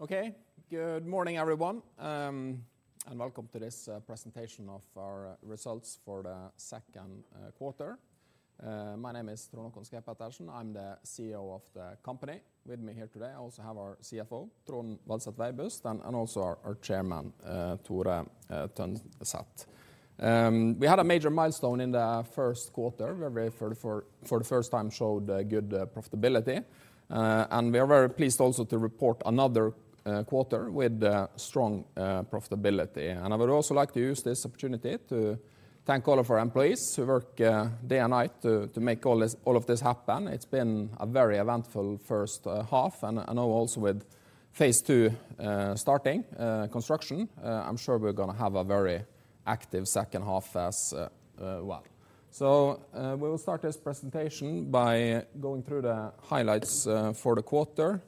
Okay. Good morning, everyone, and welcome to this presentation of our results for the second quarter. My name is Trond Håkon Schaug-Pettersen. I'm the CEO of the company. With me here today, I also have our CFO, Trond Vadset Veibust, and also our chairman, Tore Tønseth. We had a major milestone in the first quarter, where we for the first time showed good profitability. And we are very pleased also to report another quarter with strong profitability. And I would also like to use this opportunity to thank all of our employees who work day and night to make all of this happen. It's been a very eventful first half, and I know also with phase two starting construction, I'm sure we're gonna have a very active second half as well. So we will start this presentation by going through the highlights for the quarter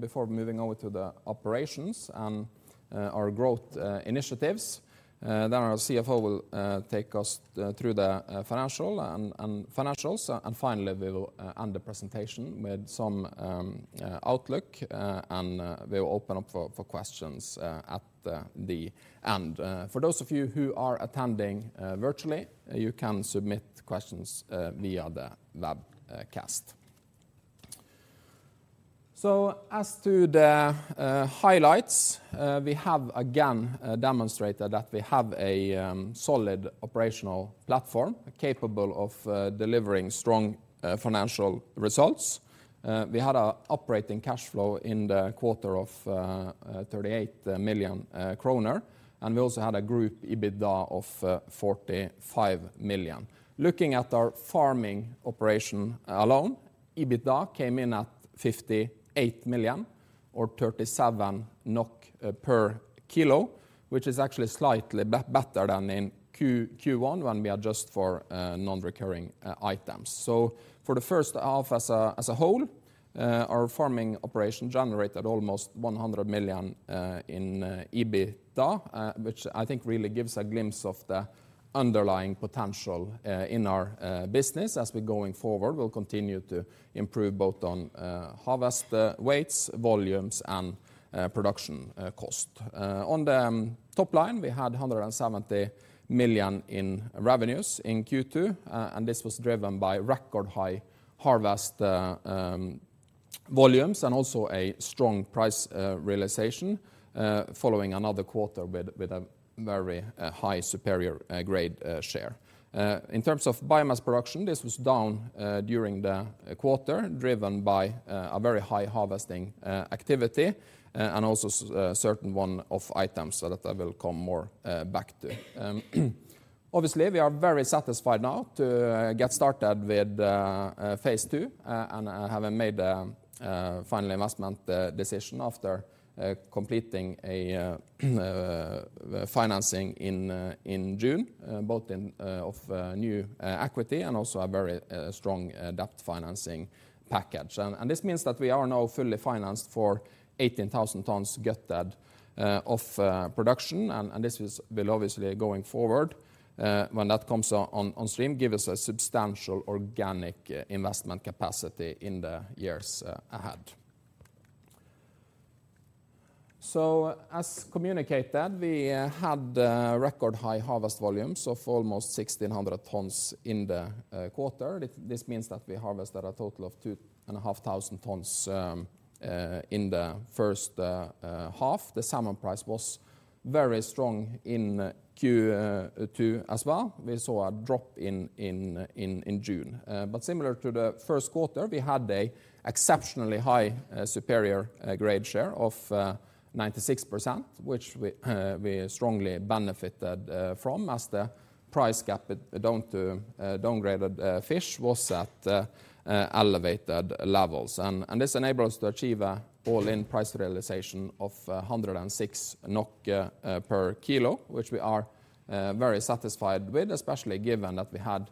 before moving over to the operations and our growth initiatives. Then our CFO will take us through the financials, and finally, we will end the presentation with some outlook and we will open up for questions at the end. For those of you who are attending virtually, you can submit questions via the webcast. So as to the highlights, we have again demonstrated that we have a solid operational platform capable of delivering strong financial results. We had a operating cash flow in the quarter of 38 million kroner, and we also had a group EBITDA of 45 million. Looking at our farming operation alone, EBITDA came in at 58 million or 37 NOK per kilo, which is actually slightly better than in Q1 when we adjust for non-recurring items. So for the first half as a whole, our farming operation generated almost 100 million in EBITDA, which I think really gives a glimpse of the underlying potential in our business. As we're going forward, we'll continue to improve both on harvest weights, volumes, and production cost. On the top line, we had 170 million in revenues in Q2, and this was driven by record-high harvest volumes and also a strong price realization following another quarter with a very high superior grade share. In terms of biomass production, this was down during the quarter, driven by a very high harvesting activity and also certain one-off items so that I will come more back to. Obviously, we are very satisfied now to get started with phase two and having made the final investment decision after completing a financing in June both in form of new equity and also a very strong debt financing package. This means that we are now fully financed for 18,000 tons gutted of production, and this will obviously going forward, when that comes on stream, give us a substantial organic investment capacity in the years ahead. So as communicated, we had record-high harvest volumes of almost 1,600 tons in the quarter. This means that we harvested a total of 2,500 tons in the first half. The salmon price was very strong in Q2 as well. We saw a drop in June. But similar to the first quarter, we had an exceptionally high superior grade share of 96%, which we strongly benefited from, as the price gap to downgraded fish was at elevated levels. And this enabled us to achieve an all-in price realization of 106 NOK per kilo, which we are very satisfied with, especially given that we had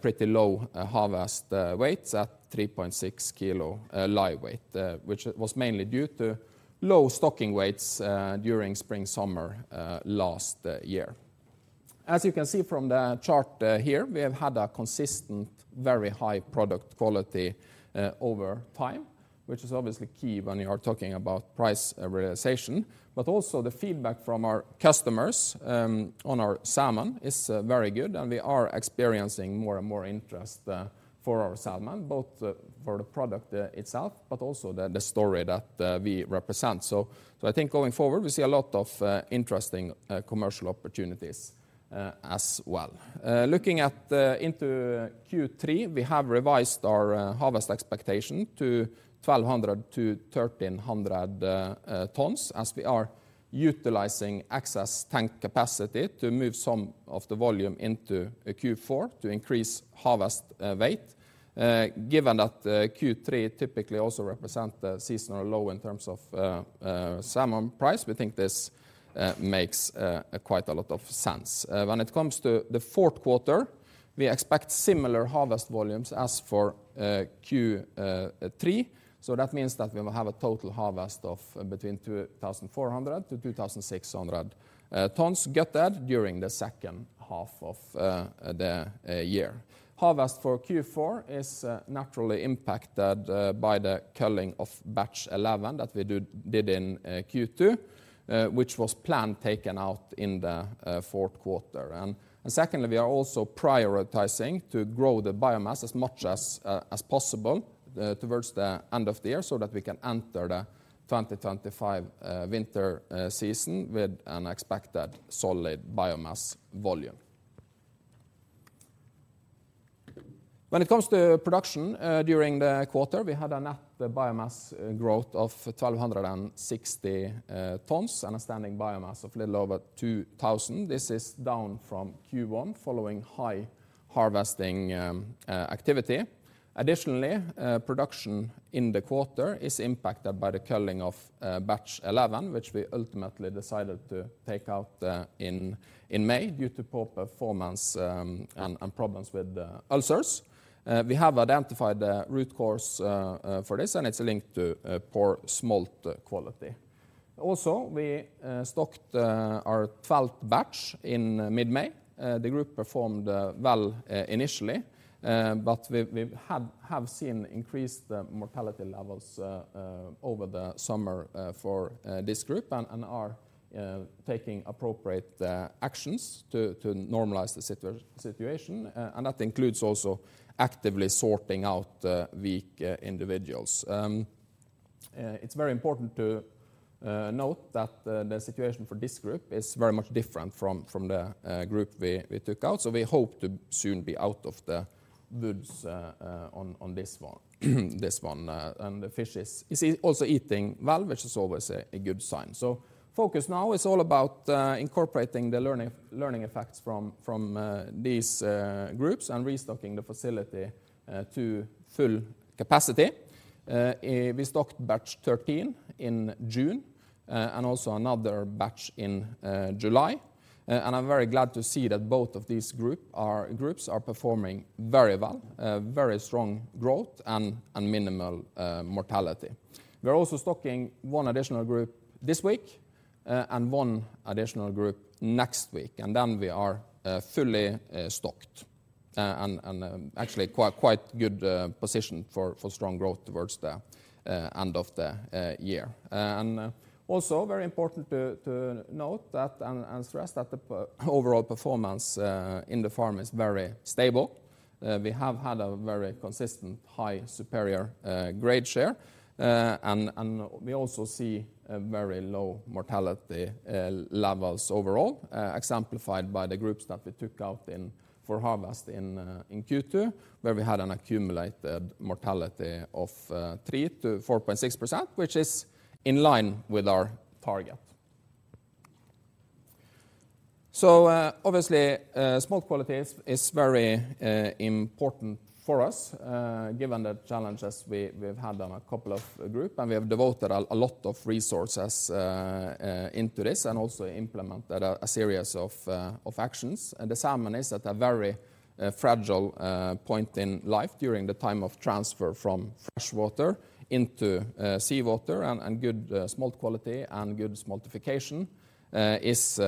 pretty low harvest weights at 3.6 kilo live weight, which was mainly due to low stocking weights during spring, summer last year. As you can see from the chart, here, we have had a consistent very high product quality over time, which is obviously key when you are talking about price realization, but also the feedback from our customers on our salmon is very good, and we are experiencing more and more interest for our salmon, both for the product itself, but also the story that we represent. So I think going forward, we see a lot of interesting commercial opportunities as well. Looking into Q3, we have revised our harvest expectation to 1,200-1,300 tons, as we are utilizing excess tank capacity to move some of the volume into Q4 to increase harvest weight. Given that Q3 typically also represents the seasonal low in terms of salmon price, we think this makes quite a lot of sense. When it comes to the fourth quarter, we expect similar harvest volumes as for Q3. So that means that we will have a total harvest of between 2,400-2,600 tons gutted during the second half of the year. Harvest for Q4 is naturally impacted by the culling of Batch 11 that we did in Q2, which was planned taken out in the fourth quarter. Second, we are also prioritizing to grow the biomass as much as possible towards the end of the year, so that we can enter the 2025 winter season with an expected solid biomass volume... When it comes to production during the quarter, we had a net biomass growth of 1,260 tons and a standing biomass of little over 2,000. This is down from Q1, following high harvesting activity. Additionally, production in the quarter is impacted by the culling of Batch 11, which we ultimately decided to take out in May due to poor performance and problems with ulcers. We have identified the root cause for this, and it's linked to poor smolt quality. Also, we stocked our Batch 12 in mid-May. The group performed well initially, but we have seen increased mortality levels over the summer for this group and are taking appropriate actions to normalize the situation. And that includes also actively sorting out weak individuals. It's very important to note that the situation for this group is very much different from the group we took out. So we hope to soon be out of the woods on this one. And the fish is also eating well, which is always a good sign. So focus now is all about incorporating the learning effects from these groups and restocking the facility to full capacity. We stocked Batch 13 in June, and also another batch in July. And I'm very glad to see that both of these group are, groups are performing very well, very strong growth and, and, minimal mortality. We're also stocking one additional group this week, and one additional group next week, and then we are, fully, stocked, and, and, actually quite, quite good, position for, for strong growth towards the, end of the, year. And also very important to, to note that and, and stress that the overall performance, in the farm is very stable. We have had a very consistent, high, superior grade share. And we also see a very low mortality levels overall, exemplified by the groups that we took out for harvest in Q2, where we had an accumulated mortality of 3%-4.6%, which is in line with our target. So, obviously, smolt quality is very important for us, given the challenges we've had on a couple of group, and we have devoted a lot of resources into this and also implemented a series of actions. And the salmon is at a very fragile point in life during the time of transfer from freshwater into seawater and good smolt quality and good smoltification is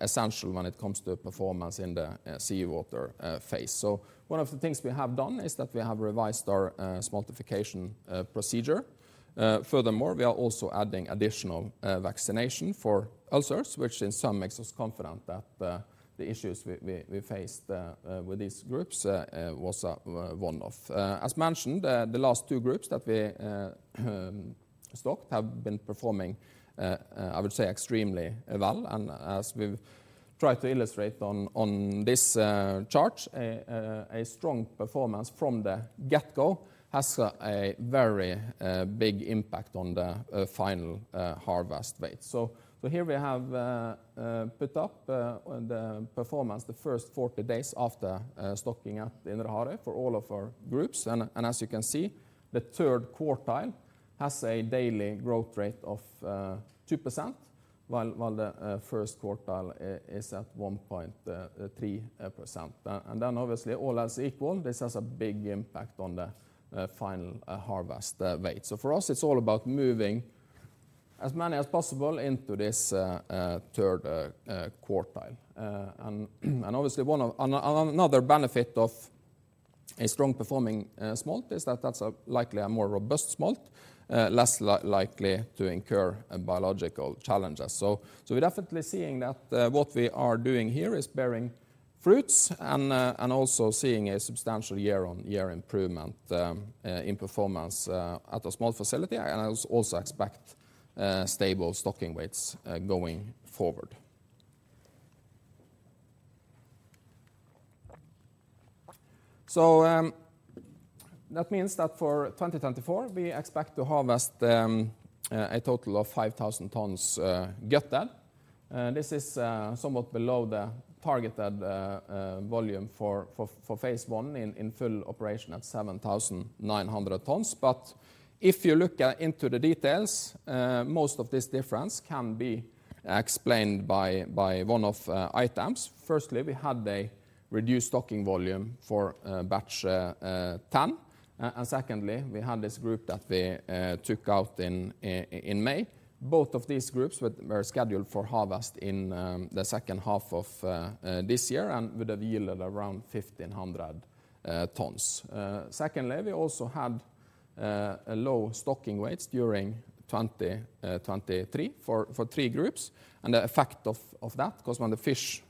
essential when it comes to performance in the seawater phase. So one of the things we have done is that we have revised our smoltification procedure. Furthermore, we are also adding additional vaccination for ulcers, which in some makes us confident that the issues we faced with these groups was one-off. As mentioned, the last two groups that we stocked have been performing I would say, extremely well. And as we've tried to illustrate on this chart, a strong performance from the get-go has a very big impact on the final harvest weight. So here we have put up the performance the first 40 days after stocking at Indre Harøy for all of our groups. As you can see, the third quartile has a daily growth rate of 2%, while the first quartile is at 1.3%. And then obviously, all else equal, this has a big impact on the final harvest weight. So for us, it's all about moving as many as possible into this third quartile. And obviously another benefit of a strong performing smolt is that that's likely a more robust smolt, less likely to incur biological challenges. So we're definitely seeing that what we are doing here is bearing fruits and also seeing a substantial year-on-year improvement in performance at the smolt facility, and I also expect stable stocking weights going forward. So, that means that for 2024, we expect to harvest a total of 5,000 tons gutted. This is somewhat below the targeted volume for phase one in full operation at 7,900 tons. But if you look into the details, most of this difference can be explained by one-off items. Firstly, we had a reduced stocking volume for Batch 10. And secondly, we had this group that we took out in May. Both of these groups were scheduled for harvest in the second half of this year and would have yielded around 1,500 tons. Secondly, we also had a low stocking weights during 2023 for three groups. The effect of that, because when the fish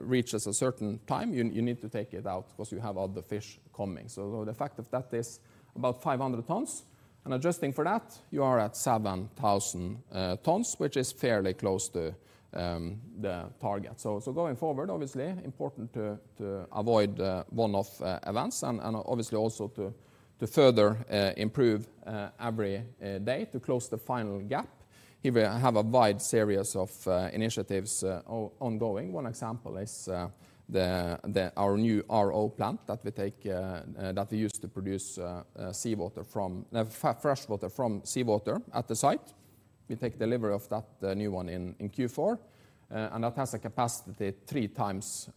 reaches a certain time, you need to take it out 'cause you have other fish coming. So the effect of that is about 500 tons, and adjusting for that, you are at 7,000 tons, which is fairly close to the target. So going forward, obviously, important to avoid one-off events and obviously also to further improve every day to close the final gap. Here we have a wide series of initiatives ongoing. One example is our new RO plant that we use to produce fresh water from seawater at the site. We take delivery of that, the new one, in Q4, and that has a capacity three times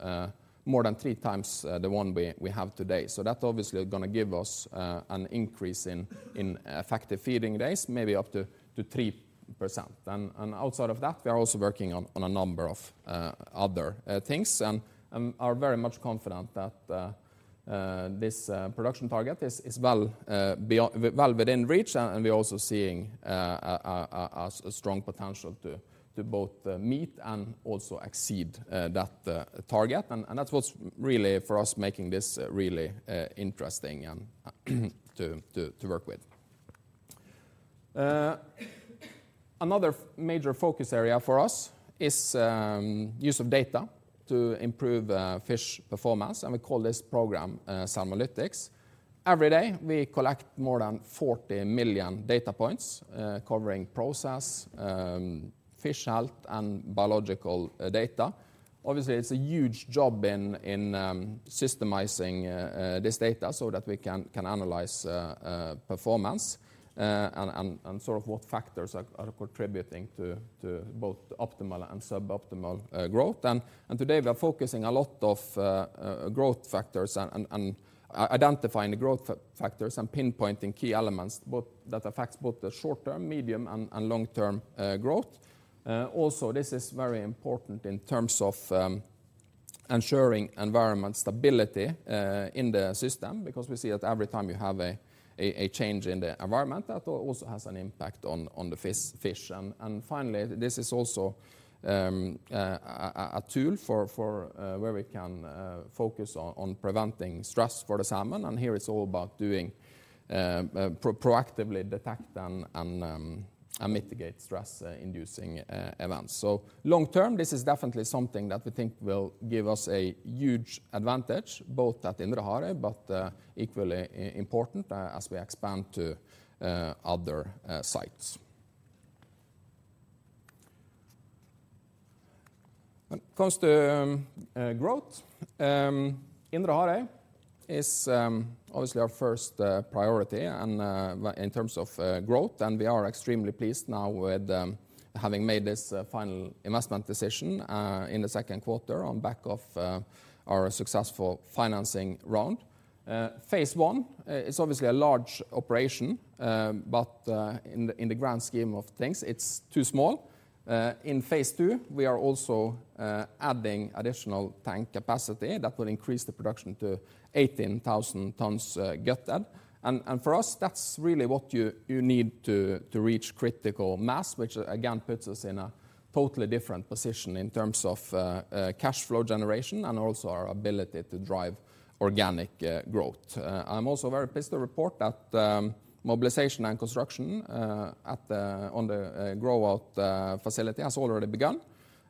more than three times the one we have today. So that obviously is gonna give us an increase in effective feeding days, maybe up to 3%. And outside of that, we are also working on a number of other things and are very much confident that this production target is well within reach. And we're also seeing a strong potential to both meet and also exceed that target. And that's what's really, for us, making this really interesting to work with. Another major focus area for us is use of data to improve fish performance, and we call this program Salmonlytics. Every day, we collect more than 40 million data points covering process, fish health, and biological data. Obviously, it's a huge job in systemizing this data so that we can analyze performance and sort of what factors are contributing to both optimal and suboptimal growth. Today we are focusing a lot of growth factors and identifying the growth factors and pinpointing key elements, both that affects both the short-term, medium, and long-term growth. Also, this is very important in terms of ensuring environment stability in the system, because we see that every time you have a change in the environment, that also has an impact on the fish. Finally, this is also a tool for where we can focus on preventing stress for the salmon. And here it's all about doing proactively detect and mitigate stress-inducing events. So long term, this is definitely something that we think will give us a huge advantage, both at Indre Harøy, but equally important as we expand to other sites. When it comes to growth, Indre Harøy is obviously our first priority, and in terms of growth. We are extremely pleased now with having made this final investment decision in the second quarter on back of our successful financing round. Phase one is obviously a large operation, but in the grand scheme of things, it's too small. In phase two, we are also adding additional tank capacity that will increase the production to 18,000 tons gutted. And for us, that's really what you need to reach critical mass, which again puts us in a totally different position in terms of cash flow generation and also our ability to drive organic growth. I'm also very pleased to report that mobilization and construction at the grow-out facility has already begun,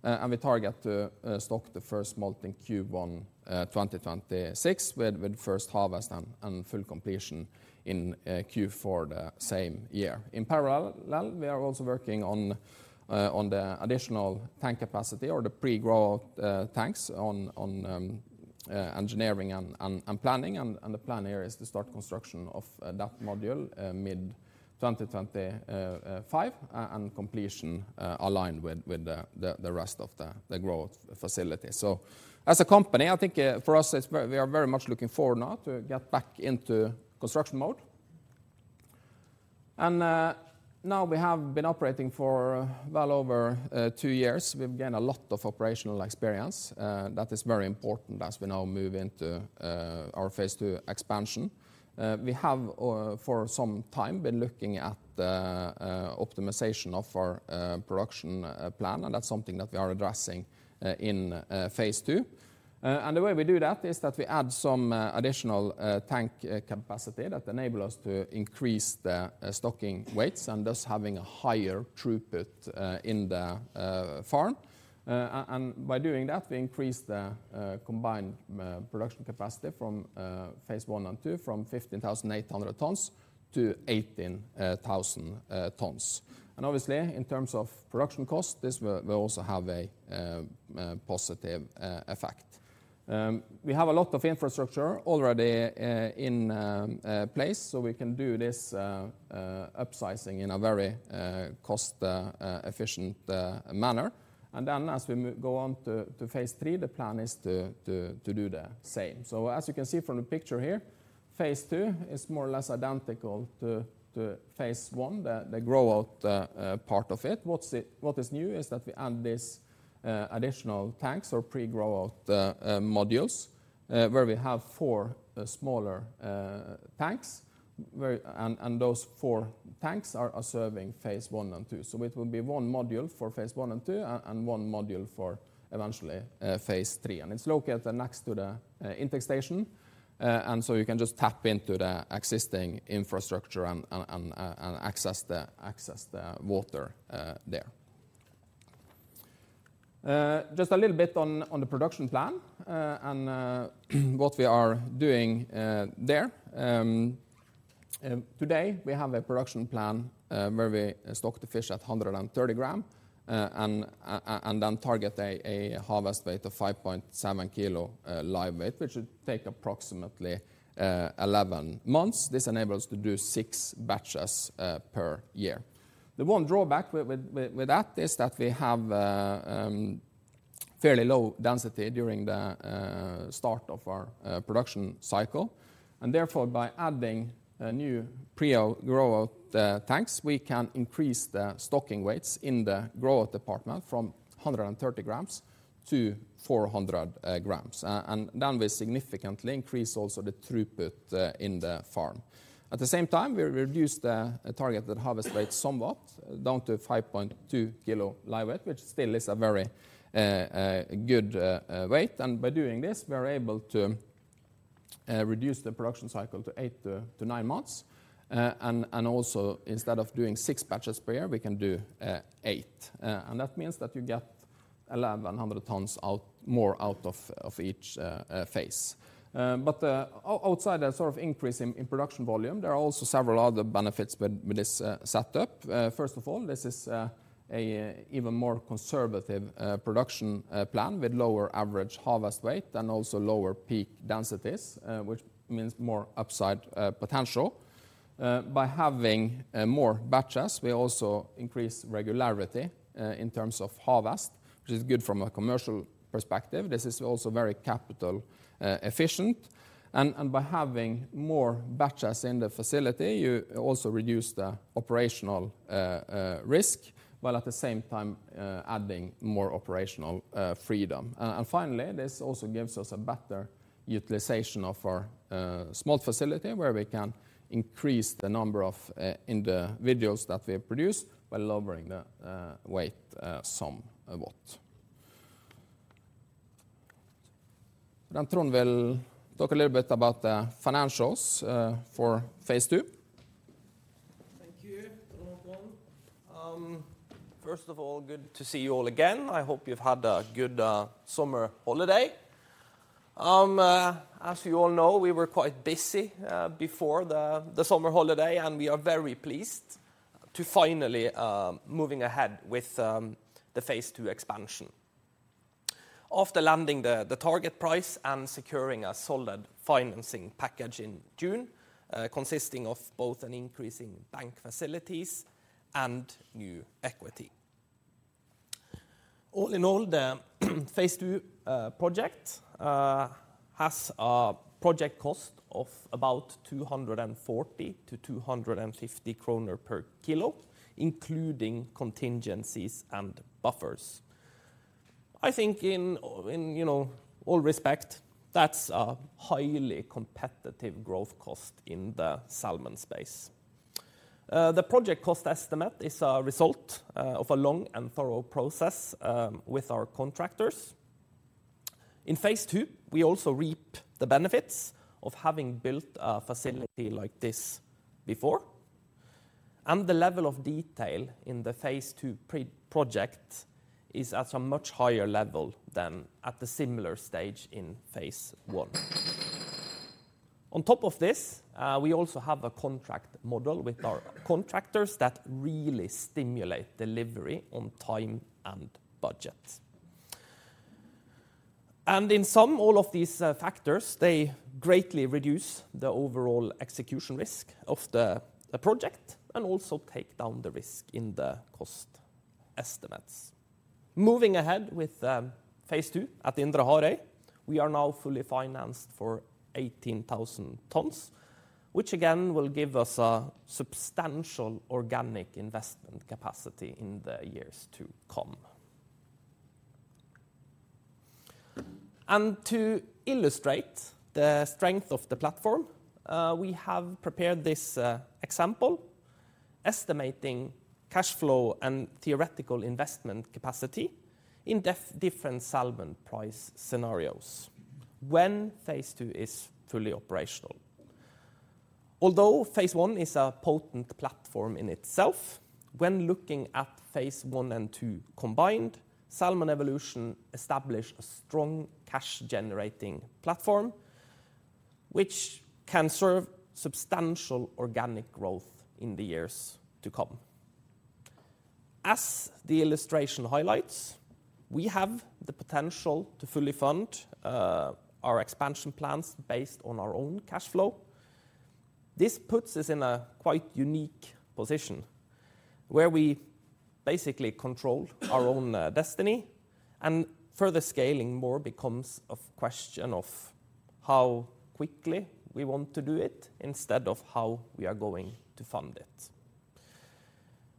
and we target to stock the first smolt Q1 2026 with first harvest and full completion in Q4 the same year. In parallel, we are also working on the additional tank capacity or the pre-grow-out tanks on engineering and planning. The plan here is to start construction of that module mid-2025 and completion aligned with the rest of the grow-out facility. As a company, I think for us, it's very, we are very much looking forward now to get back into construction mode. Now we have been operating for well over two years. We've gained a lot of operational experience. That is very important as we now move into our phase two expansion. We have for some time been looking at optimization of our production plan, and that's something that we are addressing in phase two. And the way we do that is that we add some additional tank capacity that enable us to increase the stocking weights and thus having a higher throughput in the farm. And by doing that, we increase the combined production capacity from phase one and two, from 15,800 tons to 18,000 tons. Obviously, in terms of production cost, this will also have a positive effect. We have a lot of infrastructure already in place, so we can do this upsizing in a very cost efficient manner. And then as we go on to phase three, the plan is to do the same. So as you can see from the picture here, phase two is more or less identical to phase one, the grow-out part of it. What is new is that we add this additional tanks or pre-grow out modules, where we have 4 smaller tanks, and those 4 tanks are serving phase one and two. So it will be 1 module for phase one and two, and 1 module for eventually phase three. It's located next to the intake station, and so you can just tap into the existing infrastructure and access the water there. Just a little bit on the production plan and what we are doing there. Today we have a production plan where we stock the fish at 130 gram and then target a harvest weight of 5.7 kilo live weight, which should take approximately 11 months. This enables us to do 6 batches per year. The 1 drawback with that is that we have fairly low density during the start of our production cycle. Therefore, by adding a new pre-grow out tanks, we can increase the stocking weights in the growth department from 130 grams to 400 grams. And then we significantly increase also the throughput in the farm. At the same time, we reduce the target, the harvest weight somewhat down to 5.2 kilo live weight, which still is a very good weight. And by doing this, we are able to reduce the production cycle to 8-9 months. And also instead of doing 6 batches per year, we can do 8. And that means that you get 1,100 tons more out of each phase. But outside the sort of increase in production volume, there are also several other benefits with this setup. First of all, this is a even more conservative production plan with lower average harvest weight and also lower peak densities, which means more upside potential. By having more batches, we also increase regularity in terms of harvest, which is good from a commercial perspective. This is also very capital efficient. And by having more batches in the facility, you also reduce the operational risk, while at the same time adding more operational freedom. And finally, this also gives us a better utilization of our smolt facility, where we can increase the number of individuals that we produce by lowering the weight somewhat. Then Trond will talk a little bit about the financials for phase two. Thank you, Trond. First of all, good to see you all again. I hope you've had a good summer holiday. As you all know, we were quite busy before the summer holiday, and we are very pleased to finally moving ahead with the phase two expansion. After landing the target price and securing a solid financing package in June, consisting of both an increase in bank facilities and new equity. All in all, the phase two project has a project cost of about 240-250 kroner per kilo, including contingencies and buffers. I think, you know, in all respect, that's a highly competitive growth cost in the salmon space. The project cost estimate is a result of a long and thorough process with our contractors. In phase two, we also reap the benefits of having built a facility like this before, and the level of detail in the phase two pre-project is at a much higher level than at the similar stage in phase one. On top of this, we also have a contract model with our contractors that really stimulate delivery on time and budget. In sum, all of these factors, they greatly reduce the overall execution risk of the project and also take down the risk in the cost estimates. Moving ahead with phase two at Indre Harøy, we are now fully financed for 18,000 tons, which again will give us a substantial organic investment capacity in the years to come. To illustrate the strength of the platform, we have prepared this example, estimating cash flow and theoretical investment capacity in different salmon price scenarios when phase two is fully operational. Although phase one is a potent platform in itself, when looking at phase one and two combined, Salmon Evolution establish a strong cash-generating platform, which can serve substantial organic growth in the years to come. As the illustration highlights, we have the potential to fully fund our expansion plans based on our own cash flow. This puts us in a quite unique position where we basically control our own destiny, and further scaling more becomes a question of how quickly we want to do it instead of how we are going to fund it.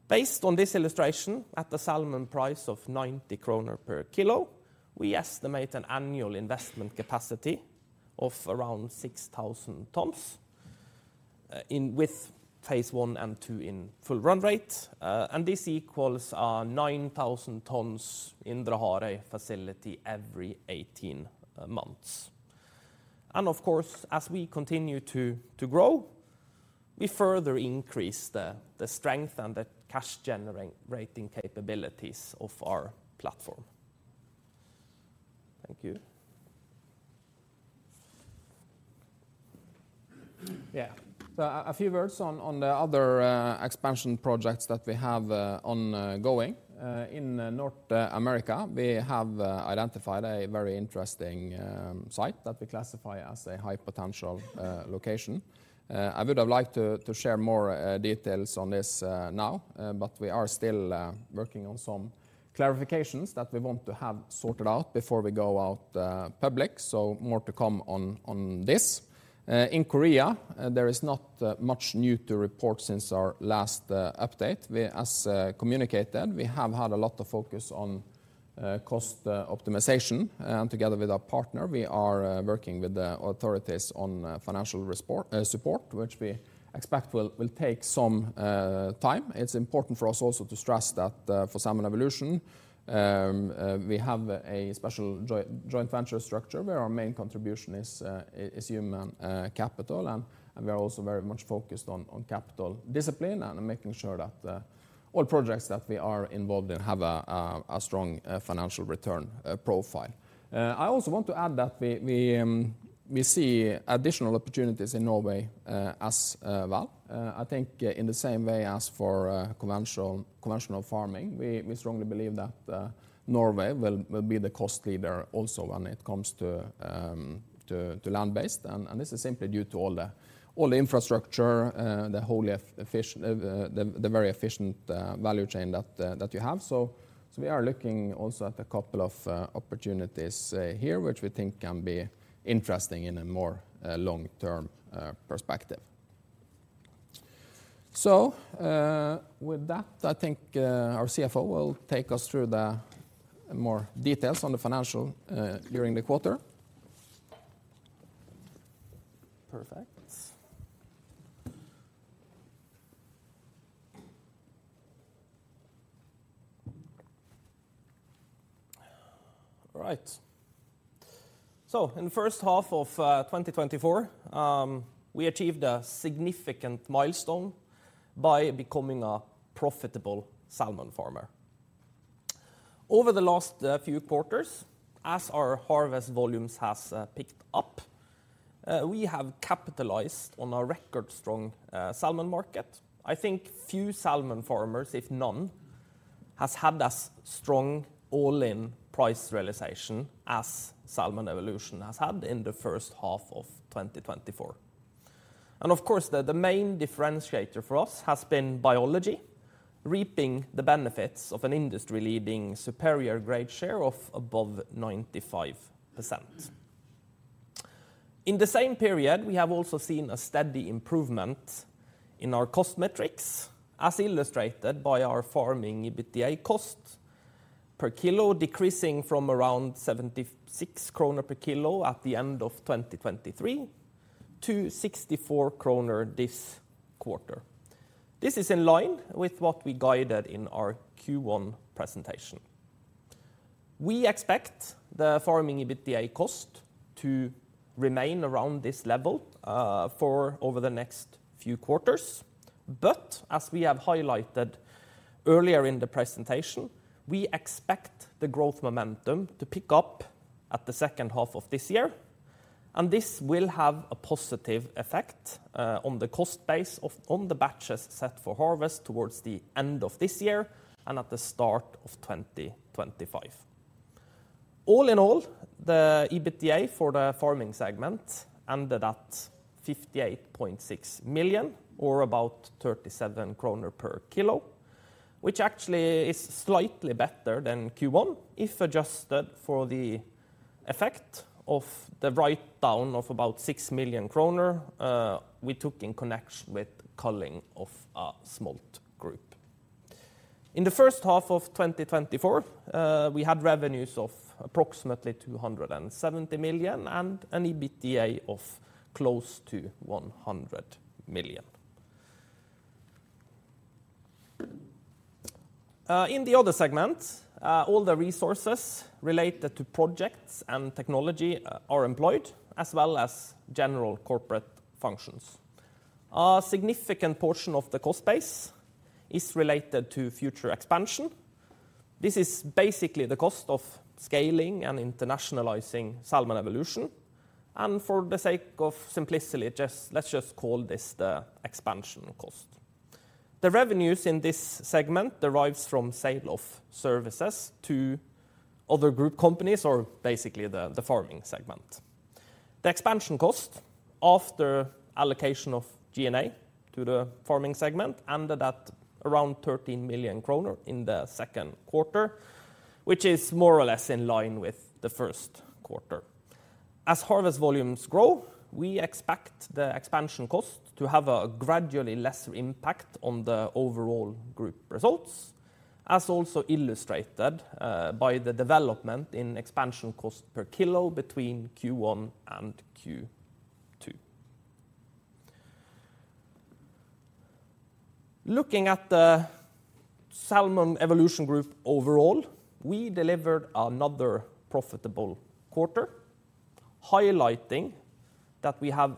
Based on this illustration, at the salmon price of 90 kroner per kilo, we estimate an annual investment capacity of around 6,000 tons in phase one and two in full run rate. And this equals 9,000 tons in the Indre Harøy facility every 18 months. And of course, as we continue to grow, we further increase the strength and the cash generating capabilities of our platform. Thank you. Yeah. So a few words on the other expansion projects that we have ongoing. In North America, we have identified a very interesting site that we classify as a high potential location. I would have liked to share more details on this now, but we are still working on some clarifications that we want to have sorted out before we go out public. So more to come on this. In Korea, there is not much new to report since our last update. As communicated, we have had a lot of focus on cost optimization, and together with our partner, we are working with the authorities on financial support, which we expect will take some time. It's important for us also to stress that, for Salmon Evolution, we have a special joint venture structure, where our main contribution is human capital. We are also very much focused on capital discipline and making sure that all projects that we are involved in have a strong financial return profile. I also want to add that we see additional opportunities in Norway, as well. I think in the same way as for conventional farming, we strongly believe that Norway will be the cost leader also when it comes to land-based. This is simply due to all the infrastructure, the whole effici... the very efficient value chain that you have. So we are looking also at a couple of opportunities here, which we think can be interesting in a more long-term perspective. So with that, I think our CFO will take us through the more details on the financial during the quarter. Perfect. All right. So in the first half of 2024, we achieved a significant milestone by becoming a profitable salmon farmer. Over the last few quarters, as our harvest volumes has picked up, we have capitalized on our record-strong salmon market. I think few salmon farmers, if none, has had as strong all-in price realization as Salmon Evolution has had in the first half of 2024. And of course, the main differentiator for us has been biology, reaping the benefits of an industry-leading superior grade share of above 95%. In the same period, we have also seen a steady improvement in our cost metrics, as illustrated by our farming EBITDA cost per kilo decreasing from around 76 kroner per kilo at the end of 2023 to 64 kroner this quarter. This is in line with what we guided in our Q1 presentation. We expect the farming EBITDA cost to remain around this level for over the next few quarters. But as we have highlighted earlier in the presentation, we expect the growth momentum to pick up at the second half of this year, and this will have a positive effect on the cost base of- on the batches set for harvest towards the end of this year and at the start of 2025. All in all, the EBITDA for the farming segment ended at 58.6 million, or about 37 kroner per kilo, which actually is slightly better than Q1 if adjusted for the effect of the write-down of about 6 million kroner we took in connection with culling of a smolt group. In the first half of 2024, we had revenues of approximately 270 million and an EBITDA of close to 100 million. In the other segment, all the resources related to projects and technology are employed, as well as general corporate functions. A significant portion of the cost base is related to future expansion. This is basically the cost of scaling and internationalizing Salmon Evolution, and for the sake of simplicity, let's just call this the expansion cost. The revenues in this segment derives from sale of services to other group companies or basically the, the farming segment. The expansion cost, after allocation of G&A to the farming segment, ended at around 13 million kroner in the second quarter, which is more or less in line with the first quarter. As harvest volumes grow, we expect the expansion cost to have a gradually lesser impact on the overall group results, as also illustrated by the development in expansion cost per kilo between Q1 and Q2. Looking at the Salmon Evolution Group overall, we delivered another profitable quarter, highlighting that we have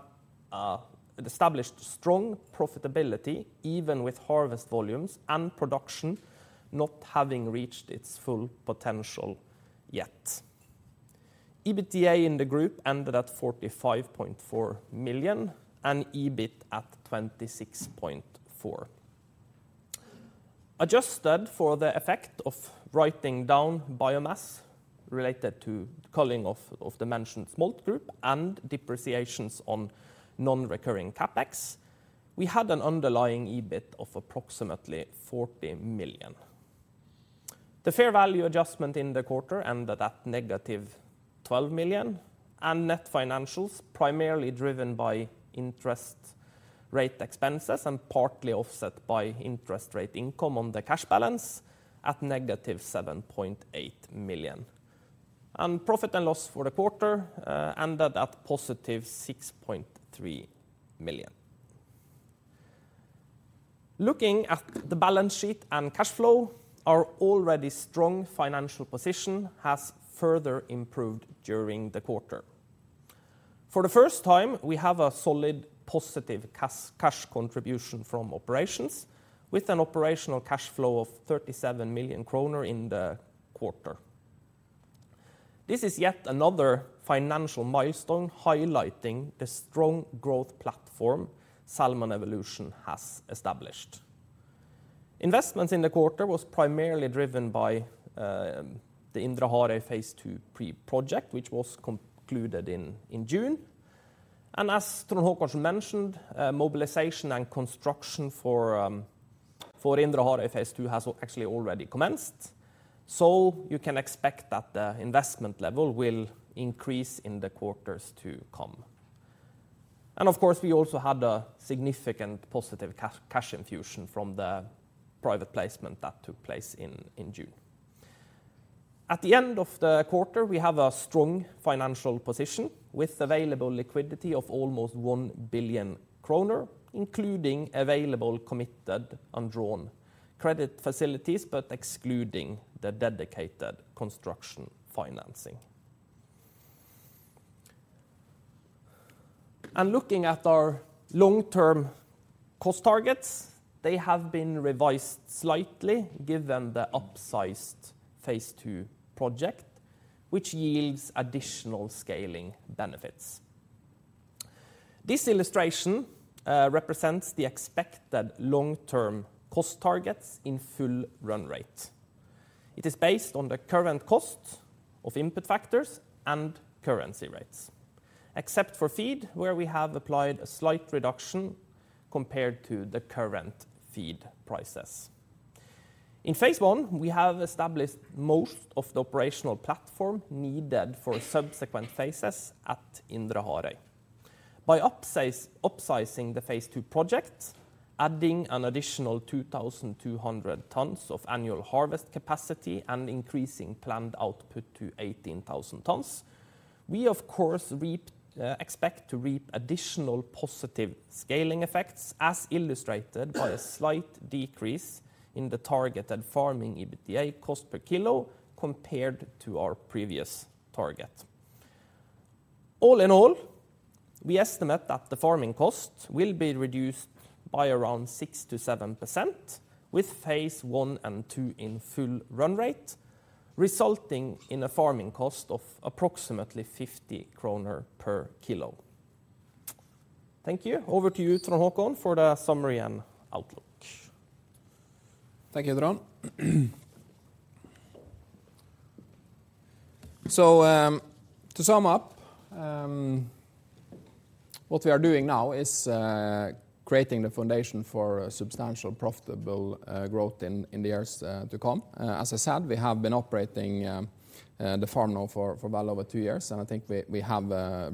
established strong profitability even with harvest volumes and production not having reached its full potential yet. EBITDA in the group ended at 45.4 million, and EBIT at 26.4 million. Adjusted for the effect of writing down biomass related to culling of the mentioned smolt group and depreciations on non-recurring CapEx, we had an underlying EBIT of approximately 40 million. The fair value adjustment in the quarter ended at -12 million, and net financials, primarily driven by interest rate expenses and partly offset by interest rate income on the cash balance, at -7.8 million. Profit and loss for the quarter ended at +6.3 million. Looking at the balance sheet and cash flow, our already strong financial position has further improved during the quarter. For the first time, we have a solid positive cash contribution from operations, with an operational cash flow of 37 million kroner in the quarter. This is yet another financial milestone highlighting the strong growth platform Salmon Evolution has established. Investments in the quarter was primarily driven by the Indre Harøy phase two pre-project, which was concluded in June. As Trond Håkon mentioned, mobilization and construction for Indre Harøy phase two has actually already commenced, so you can expect that the investment level will increase in the quarters to come. Of course, we also had a significant positive cash infusion from the private placement that took place in June. At the end of the quarter, we have a strong financial position, with available liquidity of almost 1 billion kroner, including available, committed, and drawn credit facilities, but excluding the dedicated construction financing. Looking at our long-term cost targets, they have been revised slightly given the upsized phase two project, which yields additional scaling benefits. This illustration represents the expected long-term cost targets in full run rate. It is based on the current cost of input factors and currency rates, except for feed, where we have applied a slight reduction compared to the current feed prices. In phase one, we have established most of the operational platform needed for subsequent phases at Indre Harøy. By upsizing the phase two project, adding an additional 2,200 tons of annual harvest capacity and increasing planned output to 18,000 tons, we of course reap, expect to reap additional positive scaling effects, as illustrated by a slight decrease in the targeted farming EBITDA cost per kilo compared to our previous target. All in all, we estimate that the farming cost will be reduced by around 6%-7%, with phase one and two in full run rate, resulting in a farming cost of approximately 50 kroner per kilo. Thank you. Over to you, Trond Håkon, for the summary and outlook. Thank you, Trond. So, to sum up, what we are doing now is creating the foundation for a substantial profitable growth in the years to come. As I said, we have been operating the farm now for well over two years, and I think we have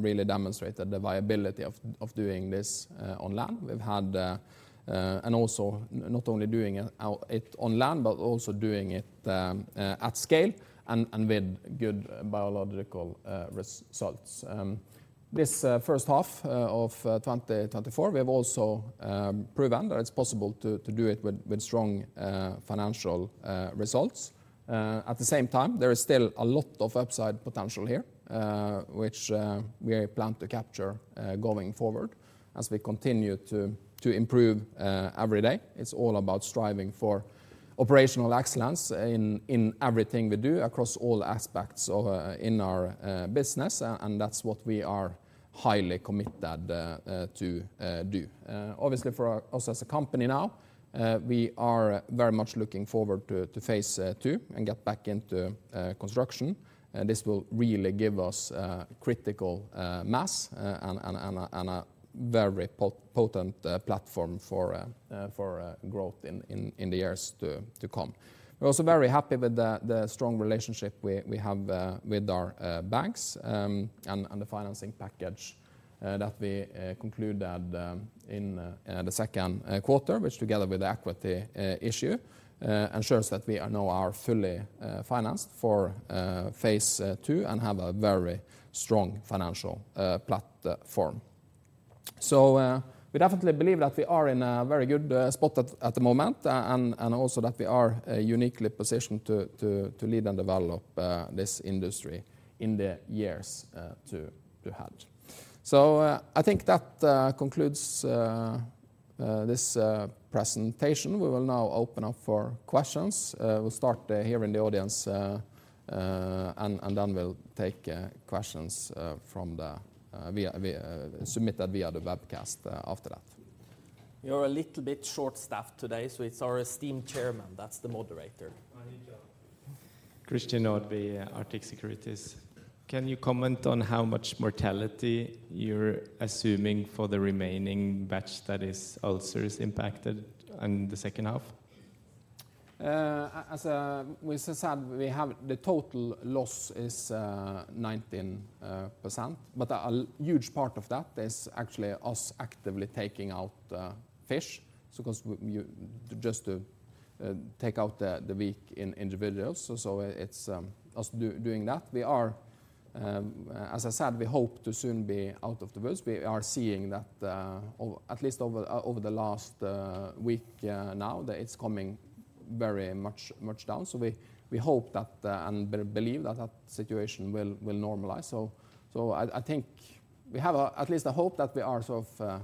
really demonstrated the viability of doing this on land. And also not only doing it on land, but also doing it at scale and with good biological results. This first half of 2024, we have also proven that it's possible to do it with strong financial results. At the same time, there is still a lot of upside potential here, which we plan to capture going forward as we continue to improve every day. It's all about striving for operational excellence in everything we do across all aspects of our business, and that's what we are highly committed to do. Obviously, for us as a company now, we are very much looking forward to phase two and get back into construction. This will really give us critical mass and a very potent platform for growth in the years to come. We're also very happy with the strong relationship we have with our banks, and the financing package that we concluded in the second quarter, which, together with the equity issue, ensures that we are now fully financed for phase two and have a very strong financial platform. So, we definitely believe that we are in a very good spot at the moment, and also that we are uniquely positioned to lead and develop this industry in the years ahead. So, I think that concludes this presentation. We will now open up for questions. We'll start here in the audience, and then we'll take questions submitted via the webcast after that. We are a little bit short-staffed today, so it's our esteemed chairman that's the moderator. Thank you. Christian Nordby, Arctic Securities. Can you comment on how much mortality you're assuming for the remaining batch that is ulcers impacted in the second half? As we said, we have the total loss is 19%, but a huge part of that is actually us actively taking out fish. So because we just to take out the weak individuals, so it's us doing that. We are, as I said, we hope to soon be out of the woods. We are seeing that, at least over the last week now, that it's coming very much down. So we hope that and believe that that situation will normalize. So I think we have at least a hope that we are sort of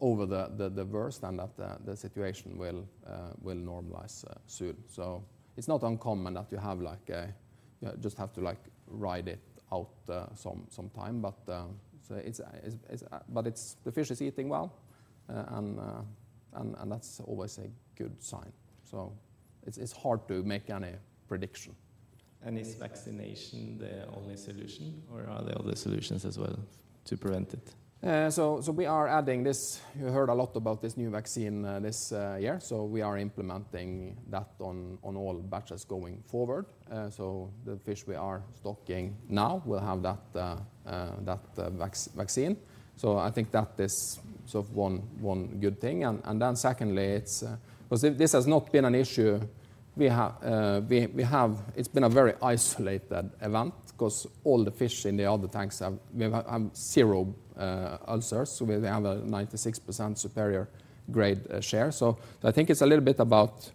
over the worst and that the situation will normalize soon. So it's not uncommon that you have like a... Just have to, like, ride it out some time, but so it's but it's the fish is eating well, and that's always a good sign. So it's hard to make any prediction. Is vaccination the only solution, or are there other solutions as well to prevent it? So, so we are adding this. You heard a lot about this new vaccine, this year, so we are implementing that on, on all batches going forward. So the fish we are stocking now will have that vaccine. So I think that is sort of one, one good thing. And, and then secondly, it's because this has not been an issue, we have, we, we have. It's been a very isolated event 'cause all the fish in the other tanks have, we have, zero ulcers, so we have a 96% superior grade share. So I think it's a little bit about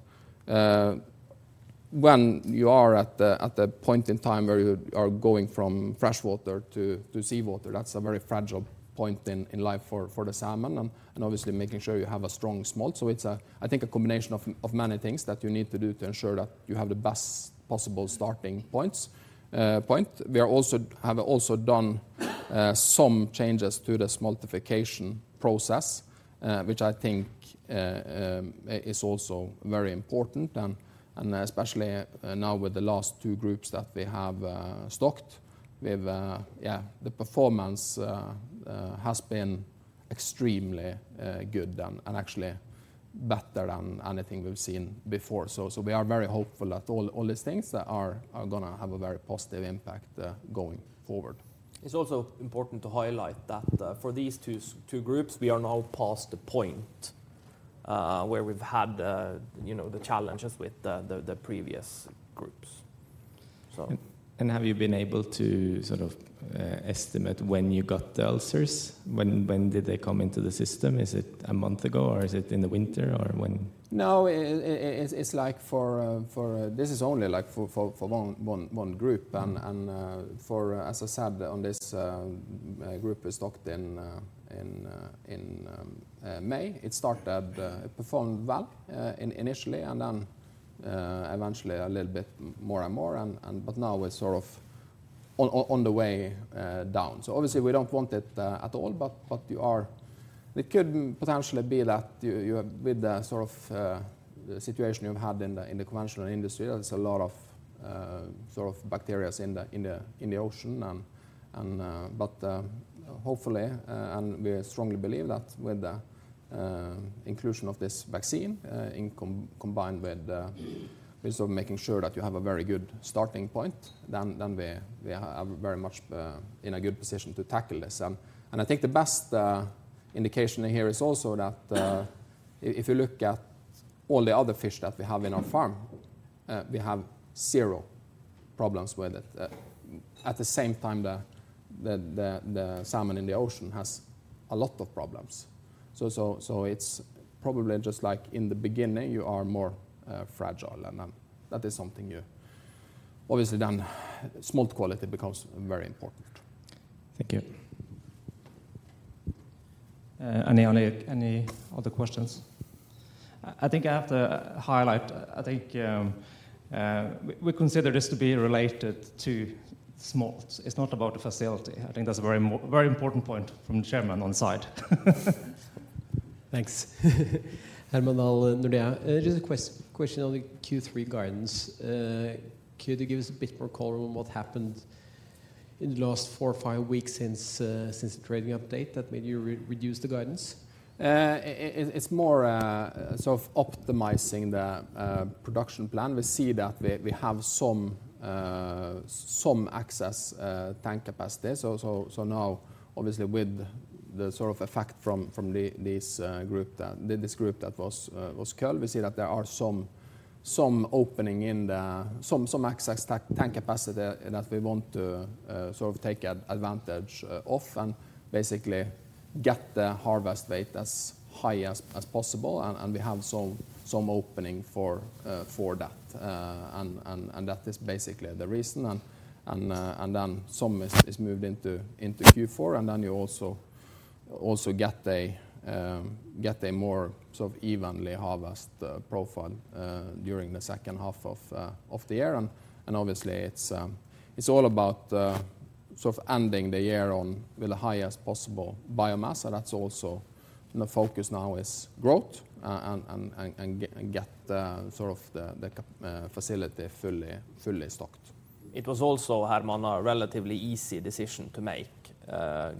when you are at the point in time where you are going from freshwater to seawater, that's a very fragile point in life for the salmon and obviously making sure you have a strong smolt. So it's a, I think, a combination of many things that you need to do to ensure that you have the best possible starting point. We have also done some changes to the smoltification process, which I think is also very important and especially now with the last two groups that we have stocked, we've Yeah, the performance has been extremely good and actually better than anything we've seen before. So we are very hopeful that all these things are gonna have a very positive impact going forward. It's also important to highlight that, for these two groups, we are now past the point where we've had, you know, the challenges with the previous groups. So- Have you been able to sort of estimate when you got the ulcers? When did they come into the system? Is it a month ago, or is it in the winter, or when? No, it's like for one group. Mm. And for, as I said on this group is stocked in May. It started, it performed well initially, and then eventually a little bit more and more and but now it's sort of on the way down. So obviously we don't want it at all, but you are... It could potentially be that you have with the sort of the situation you've had in the conventional industry, there's a lot of sort of bacteria in the ocean. Hopefully, and we strongly believe that with the inclusion of this vaccine, combined with sort of making sure that you have a very good starting point, then we are very much in a good position to tackle this. And I think the best indication here is also that if you look at all the other fish that we have in our farm, we have zero problems with it. At the same time, the salmon in the ocean has a lot of problems. It's probably just like in the beginning, you are more fragile, and then that is something you obviously then smolt quality becomes very important. Thank you. Any other questions? I think I have to highlight. I think we consider this to be related to smolts. It's not about the facility. I think that's a very important point from the chairman on side. Thanks. Herman Dahl, Nordea. Just a question on the Q3 guidance. Could you give us a bit more color on what happened in the last four or five weeks since, since the trading update that made you reduce the guidance? It's more sort of optimizing the production plan. We see that we have some excess tank capacity. So now, obviously, with the sort of effect from this group that was culled, we see that there are some opening in the... Some excess tank capacity that we want to sort of take advantage of and basically get the harvest weight as high as possible, and we have some opening for that. And that is basically the reason and then some is moved into Q4, and then you also get a more sort of evenly harvest profile during the second half of the year. Obviously it's all about sort of ending the year with the highest possible biomass, and that's also the focus now is growth, and get the facility fully stocked. It was also, Herman, a relatively easy decision to make,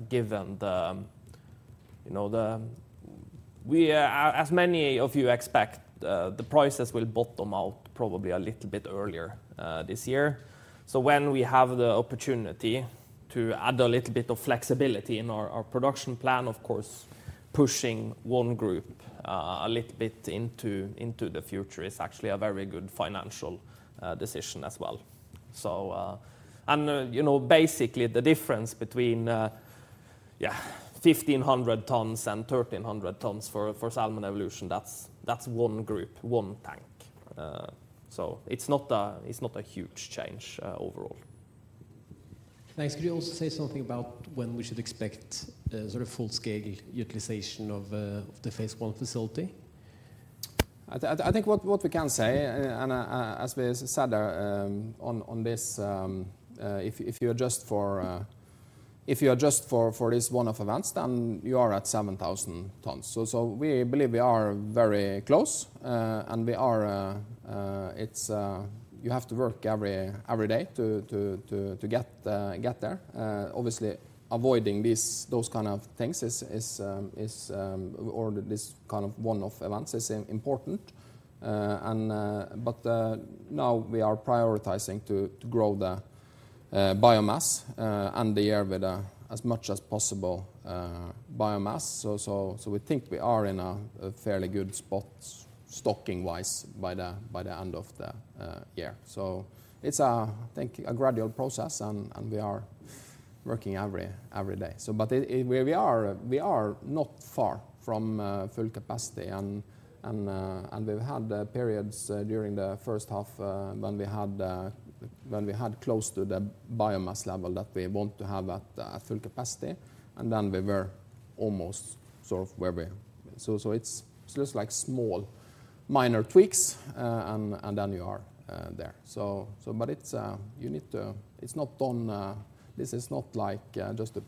given the, you know, we, as many of you expect, the prices will bottom out probably a little bit earlier, this year. So when we have the opportunity to add a little bit of flexibility in our production plan, of course, pushing one group a little bit into the future is actually a very good financial decision as well. So... And, you know, basically, the difference between, yeah, 1,500 tons and 1,300 tons for Salmon Evolution, that's one group, one tank. So it's not a huge change overall. Thanks. Could you also say something about when we should expect a sort of full-scale utilization of the phase one facility? I think what we can say, and, as we said, on this, if you adjust for this one-off events, then you are at 7,000 tons. So we believe we are very close, and we are, it's you have to work every day to get there. Obviously, avoiding these, those kind of things is, or this kind of one-off events is important. And but now we are prioritizing to grow the biomass and the year with as much as possible biomass. So we think we are in a fairly good spot stocking-wise by the end of the year. So it's, I think, a gradual process, and we are working every day. So but it—it—we are not far from full capacity, and we've had periods during the first half when we had close to the biomass level that we want to have at full capacity, and then we were almost sort of where we... So it's just like small minor tweaks, and then you are there. So but it's—you need to—It's not on, this is not like just to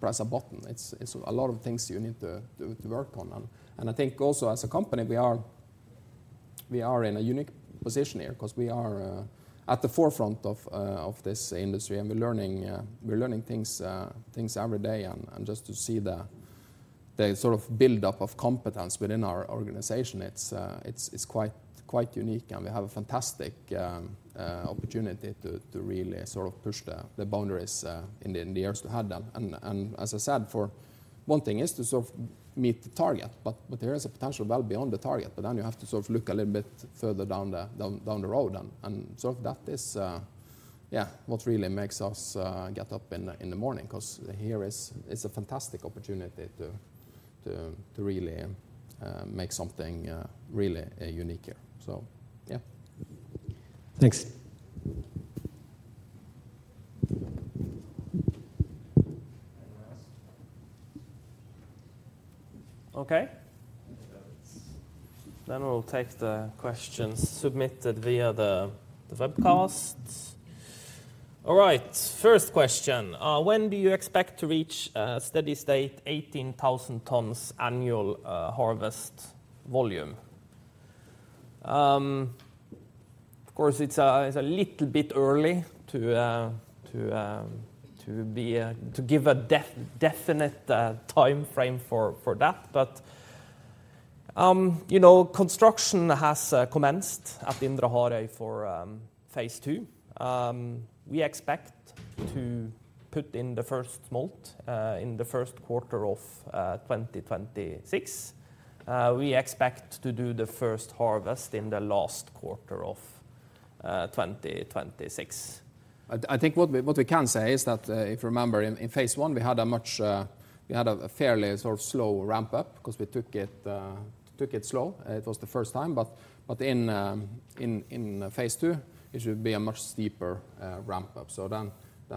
press a button. It's a lot of things you need to work on. And I think also as a company, we are in a unique position here, 'cause we are at the forefront of this industry, and we're learning things every day. And just to see the sort of build-up of competence within our organization, it's quite unique. And we have a fantastic opportunity to really sort of push the boundaries in the years ahead. And as I said, for one thing is to sort of meet the target, but there is a potential well beyond the target, but then you have to sort of look a little bit further down the road. And sort of that is, yeah, what really makes us get up in the morning, 'cause here is a fantastic opportunity to really make something really unique here. So, yeah. Thanks. Okay. Then we'll take the questions submitted via the webcast. All right, first question: When do you expect to reach steady state 18,000 tons annual harvest volume? Of course, it's a little bit early to give a definite timeframe for that. But you know, construction has commenced at Indre Harøy for phase two. We expect to put in the first smolt in the first quarter of 2026. We expect to do the first harvest in the last quarter of 2026. I think what we can say is that, if you remember in phase one, we had a much, we had a fairly sort of slow ramp-up, 'cause we took it, took it slow. It was the first time, but in phase two, it should be a much steeper ramp-up. So then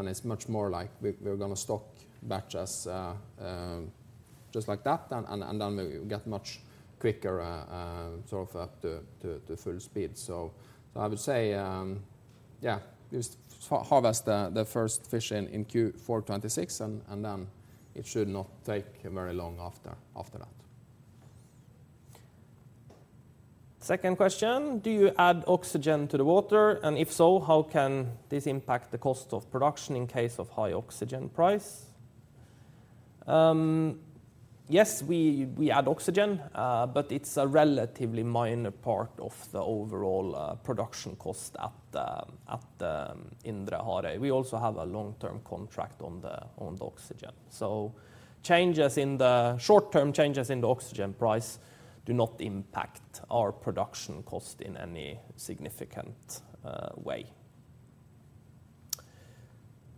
it's much more like we're gonna stock back just like that, and then we'll get much quicker sort of up to full speed. So I would say, yeah, we'll harvest the first fish in Q4 2026, and then it should not take very long after that. Second question: Do you add oxygen to the water? And if so, how can this impact the cost of production in case of high oxygen price? Yes, we, we add oxygen, but it's a relatively minor part of the overall, production cost at the, at the Indre Harøy. We also have a long-term contract on the, on the oxygen. So short-term changes in the oxygen price do not impact our production cost in any significant, way.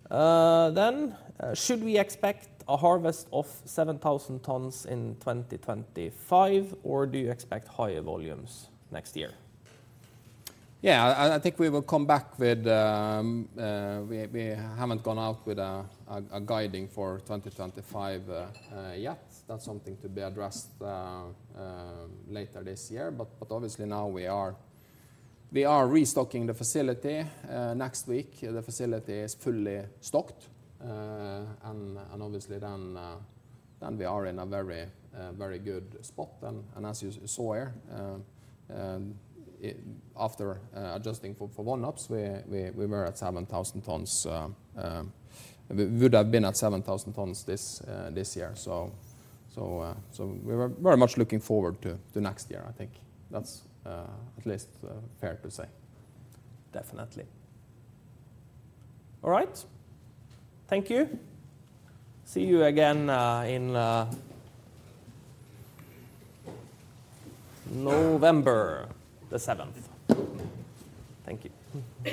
Then: Should we expect a harvest of 7,000 tons in 2025, or do you expect higher volumes next year? Yeah, I think we will come back with... We haven't gone out with a guiding for 2025 yet. That's something to be addressed later this year. But obviously now we are restocking the facility. Next week, the facility is fully stocked, and obviously then we are in a very, very good spot. And as you saw here, it after adjusting for one-offs, we were at 7,000 tons... We would have been at 7,000 tons this year. So we were very much looking forward to next year. I think that's at least fair to say. Definitely. All right. Thank you. See you again in November the seventh. Thank you.